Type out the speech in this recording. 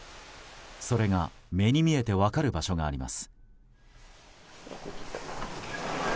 それが、目に見えて分かる場所があります。